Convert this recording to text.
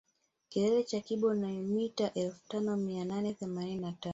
Kilele cha kibo ni mita elfu tano mia nane themanini na tano